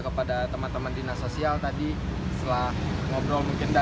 kepada teman teman dinas sosial tadi setelah ngobrol mungkin